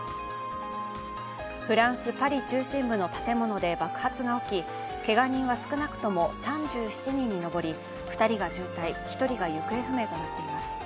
フランス・パリ中心部の建物で爆発が起きけが人は少なくとも３７人に上り２人が重体１人が行方不明となっています。